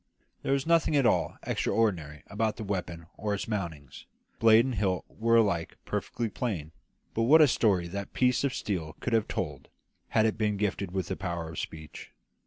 There was nothing at all extraordinary about the weapon or its mountings; blade and hilt were alike perfectly plain; but what a story that piece of steel could have told, had it been gifted with the power of speech.